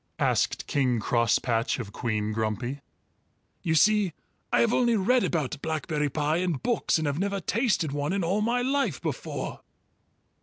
asked King Crosspatch of Queen Grumpy. "You see, I have only read about blackberry pie in books and have never tasted one in all my life before."